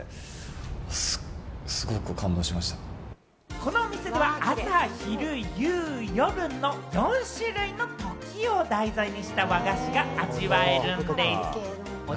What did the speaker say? このお店では、朝・昼・夕・夜の四種類の「とき」を題材にした和菓子が味わえるんでぃす。